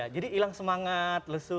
jadi hilang semangat lesu